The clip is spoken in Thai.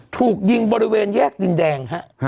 ถูกยิงบริเวณแยกดินแดงฮะ